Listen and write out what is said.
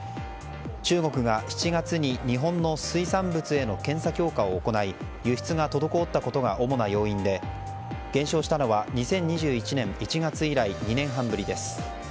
中国が７月に日本の水産物への検査強化を行い輸出が滞ったことが主な要因で減少したのは２０２１年１月以来２年半ぶりです。